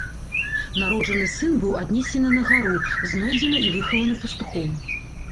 Народжаны сын быў аднесены на гару, знойдзены і выхаваны пастухом.